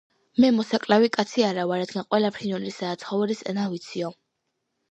მე მოსაკლავი კაცი არა ვარ, რადგან ყველა ფრინველისა და ცხოველის ენა ვიციო.